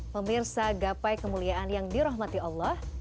pemirsa gapai kemuliaan yang dirahmati allah